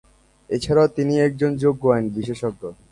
এছাড়াও তিনি একজন যোগ্য আইন বিশেষজ্ঞ।